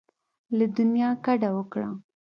له دنیا کډه وکړه.